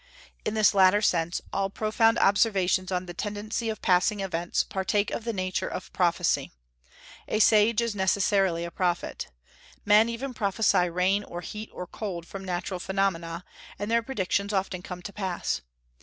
In this latter sense, all profound observations on the tendency of passing events partake of the nature of prophecy. A sage is necessarily a prophet. Men even prophesy rain or heat or cold from natural phenomena, and their predictions often come to pass.